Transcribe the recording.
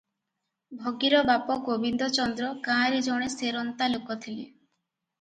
ଭଗିର ବାପ ଗୋବିନ୍ଦ ଚନ୍ଦ୍ର ଗାଁରେ ଜଣେ ସେରନ୍ତା ଲୋକ ଥିଲା ।